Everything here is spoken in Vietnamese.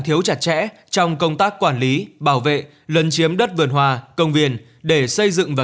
thiếu hụt trẻ trong công tác quản lý bảo vệ lân chiếm đất vườn hoa công viên để xây dựng và